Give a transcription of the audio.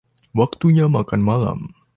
Waktunya makan malam.